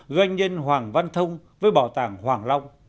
doanh nhân hoàng văn thông với bảo tàng hoàng long